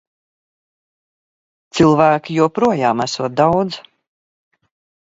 Cilvēki joprojām esot daudz.